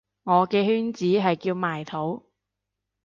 我嘅圈子係叫埋土